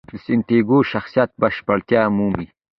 د سانتیاګو شخصیت بشپړتیا مومي.